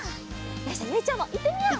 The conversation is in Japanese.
よしじゃあゆいちゃんもいってみよう！